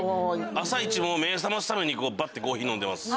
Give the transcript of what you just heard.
朝一目ぇ覚ますためにばってコーヒー飲んでます。